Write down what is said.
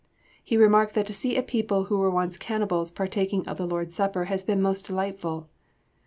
He remarked that to see a people who were once cannibals partaking of the Lord's Supper has been most delightful.